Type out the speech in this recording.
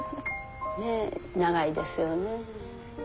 ねえ長いですよね。